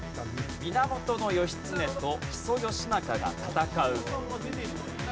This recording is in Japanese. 源義経と木曾義仲が戦う。